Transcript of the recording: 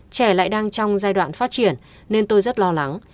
trẻ lại đang trong giai đoạn phát triển nên tôi rất lo lắng